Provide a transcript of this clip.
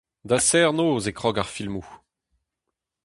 Da serr-noz e krog ar filmoù !